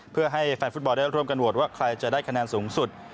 เพื่อให้แฟนฟุตบอลได้ร่วมกันโหวตว่าใครจะได้คะแนนสูงสุด